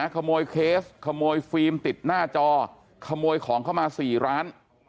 ขโมยเคสขโมยฟิล์มติดหน้าจอขโมยของเข้ามา๔ร้าน